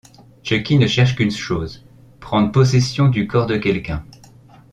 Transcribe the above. Chucky ne cherche qu'une chose, prendre possession du corps de quelqu'un.